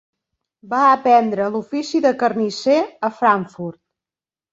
Va aprendre l'ofici de carnisser a Frankfurt.